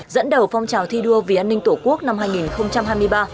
dẫn đầu phong trào thi đua vì an ninh tổ quốc năm hai nghìn hai mươi ba